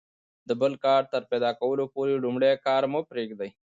د بل کار تر پیدا کیدلو پوري لومړی کار مه پرېږئ!